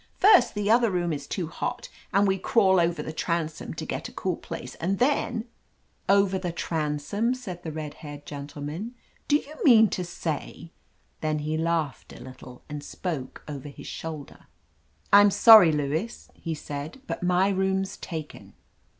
First , the other room is too hot, and we crawl over the transom to get a cool place, and then —" "Over the transom," said the red haired gen tleman. "Do you mean to say —" Then he laughed a little and spoke over his shoulder. "I'm sorry, Lewis," he said, "but my room's taken."